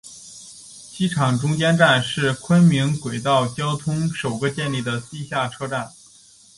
机场中心站是昆明轨道交通首个建成地下车站。